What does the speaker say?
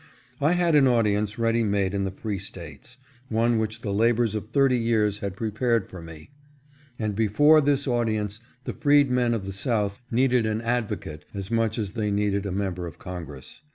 I had an audience ready made in the free States ; one which the labors of thirty years had prepared for me, and before this audience the freedmen of the South needed an advocate as much as they needed a member of Congress.